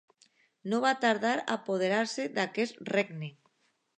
No va tardar a apoderar-se d'aquest regne.